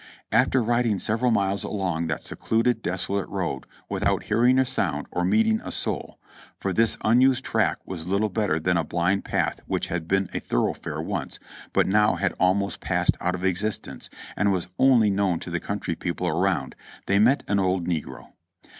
After riding several miles along that secluded, desolate road without hearing a sound or meeting a soul, for this unused track was little better than a blind path which had been a thoroughfare once but now had almost passed out of existence and was only known to the country people around, they met an old negro.